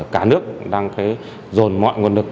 cả nước đang dồn mọi nguồn lực